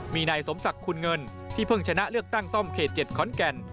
มีนายสมศักดิ์คุณเงินที่เพิ่งชนะเลือกตั้งซ่อมเขต๗ขอนแก่น